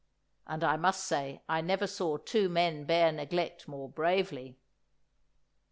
And I must say I never saw two men bear neglect more bravely!